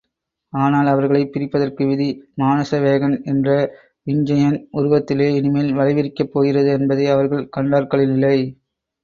ஆனால் அவர்களைப் பிரிப்பதற்கு விதி, மானசவேகன் என்ற விஞ்சையன் உருவத்திலே இனிமேல் வலைவிரிக்கப் போகிறது என்பதை அவர்கள் கண்டார்களில்லை!